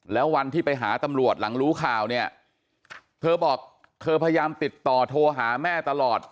แล้ววันที่ไปหาตำรวจหลังรู้ข่าวเนี่ยเธอบอกเธอพยายามติดต่อโทรหาแม่ตลอด